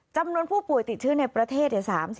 จำนวนผู้ป่วยติดเชื้อในประเทศ๓๐